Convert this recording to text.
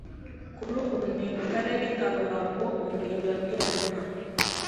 Kuri ubu ntuye mu Karere ka RUHANGO, Umurenge wa Bweramana,